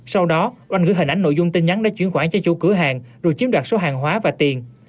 sau đó oanh gửi hình ảnh nội dung tin nhắn để chuyển khoản cho chủ cửa hàng rồi chiếm đoạt số hàng hóa và tiền